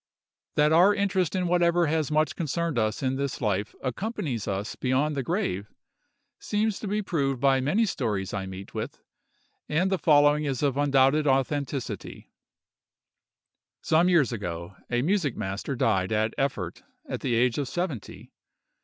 That our interest in whatever has much concerned us in this life accompanies us beyond the grave, seems to be proved by many stories I meet with, and the following is of undoubted authenticity: Some years ago, a music master died at Erfert at the age of seventy.